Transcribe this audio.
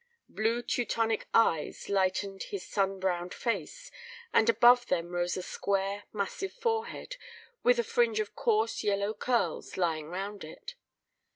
Blue Teutonic eyes lightened his sun browned face, and above them rose a square, massive forehead, with a fringe of close yellow curls lying round it.